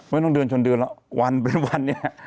ไม่ต้องเดินชนเดือนแล้ววันเป็นวันเนี่ย